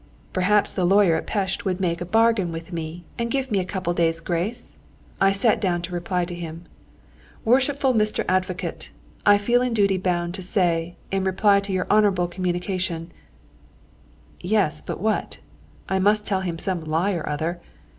Perhaps the lawyer at Pest would make a bargain with me and give me a couple of days' grace? I sat down to reply to him: "Worshipful Mr. Advocate I feel in duty bound to say, in reply to your honourable communication " Yes, but what? I must tell him some lie or other.